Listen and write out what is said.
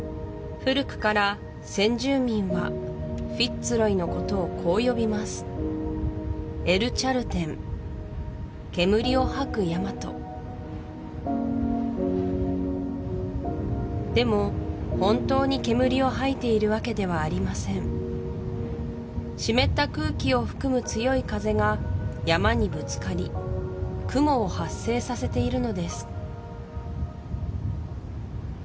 古くから先住民はフィッツ・ロイのことをこう呼びます「エル・チャルテン」「煙を吐く山」とでも本当に煙を吐いているわけではありません湿った空気を含む強い風が山にぶつかり雲を発生させているのです